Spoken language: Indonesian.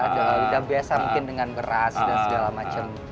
sudah biasa mungkin dengan beras dan segala macam